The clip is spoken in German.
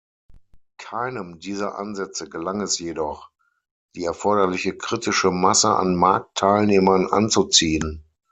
Keinem dieser Ansätze gelang es jedoch, die erforderliche kritische Masse an Marktteilnehmern anzuziehen.